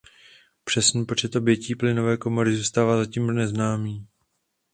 Přesný počet obětí plynové komory zůstává zatím neznámý.